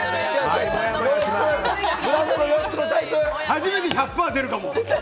初めて１００％出るかも！